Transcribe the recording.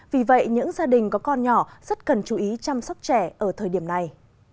vì vậy những gia đình có con nhỏ rất cần chú ý chăm sóc trẻ ở thời điểm này